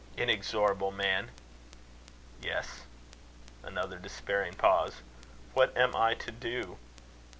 "Inexorable man!" "Yes." Another despairing pause. "What am I to do?"